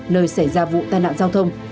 nơi xảy ra vụ tai nạn giao thông